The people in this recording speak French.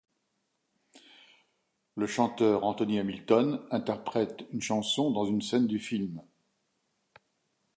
Le chanteur Anthony Hamilton interprète une chanson dans une scène du film.